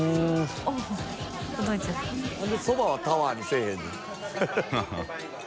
なんでそばはタワーにせぇへんねん。